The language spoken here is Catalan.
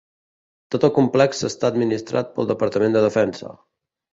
Tot el complex està administrat pel Departament de Defensa.